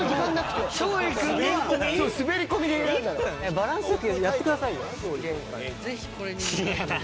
バランス良くやってくださいよ。